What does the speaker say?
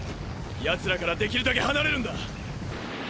ヤツらからできるだけ離れるんだ。